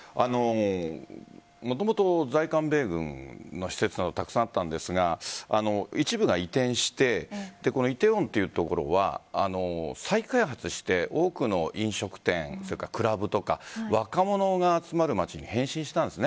もともと在韓米軍の施設がたくさんあったんですが一部が移転して梨泰院という所は再開発して多くの飲食店それからクラブとか若者が集まる街に変身したんです。